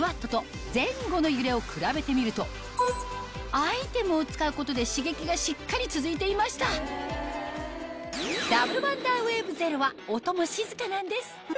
アイテムを使うことで刺激がしっかり続いていましたダブルワンダーウェーブゼロは音も静かなんです